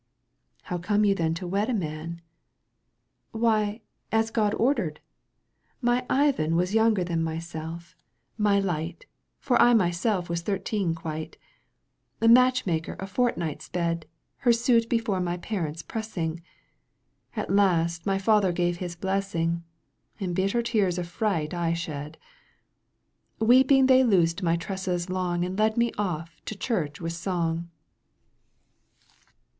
" How came you then to wed a man ?"—" Why, as God ordered 1 My IvJui Was younger than myself, my light, .. Digitized by VjOOQ 1С ■1 76 EUGENE ON^GUINE. canto ш. For I myself was thirteen quite \^ The matchmaker a fortnight sped, Her suit before my parents pressing : At last my father gave his blessing, And bitter tears of fright I shed. "Weeping they loosed my tresses long ^ And led me off to church with song."